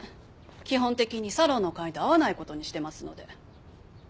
基本的にサロンの会員と会わない事にしてますので。